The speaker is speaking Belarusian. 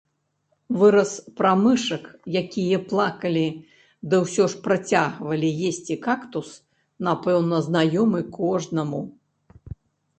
Выраз пра мышак, які плакалі, ды ўсё ж працягвалі есці кактус, напэўна, знаёмы кожнаму.